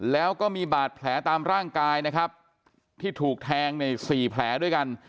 แล้วก็มีบาดแผลตามร่างกายนะครับที่ถูกแทงเนี่ย๔แผลด้วยกัน